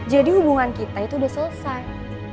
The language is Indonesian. jadi hubungan kita itu udah selesai